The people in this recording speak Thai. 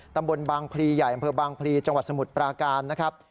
ตำบลบางพลีใหญ่อำเภอบางพลีจังหวัดสมุทรปราการนะครับ